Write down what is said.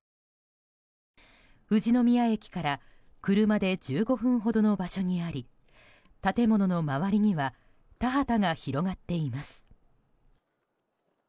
富士宮駅から車で１５分ほどの場所にあり建物の周りには田畑が広がっています。